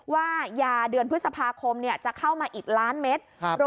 ว่ายาเดือนพฤษภาคมจะเข้ามาอีกล้านเมตร